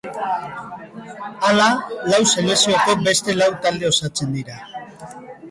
Hala, lau selekzioko beste lau talde osatzen dira.